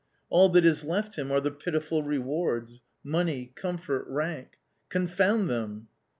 All that is left him are the pitiful rewards — money, comfort, rank. Con found them